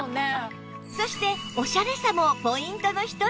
そしてオシャレさもポイントの一つ